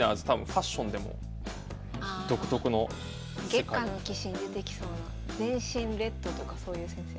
「月下の棋士」に出てきそうな全身レッドとかそういう先生。